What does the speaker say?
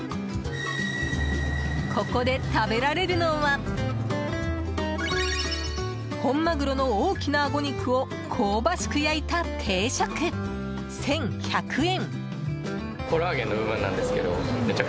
ここで食べられるのは本マグロの大きなあご肉を香ばしく焼いた定食、１１００円。